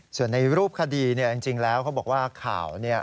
ส่วนในรูปคดีเนี่ยจริงแล้วเขาบอกว่าข่าวเนี่ย